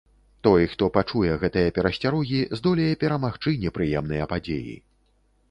Той, хто пачуе гэтыя перасцярогі, здолее перамагчы непрыемныя падзеі.